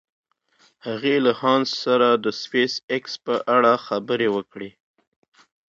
هغې له هانس سره د سپېساېکس په اړه خبرې وکړې.